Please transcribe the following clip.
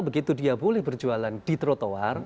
begitu dia boleh berjualan di trotoar